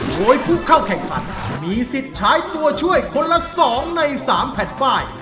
โดยผู้เข้าแข่งขันมีสิทธิ์ใช้ตัวช่วยคนละ๒ใน๓แผ่นป้าย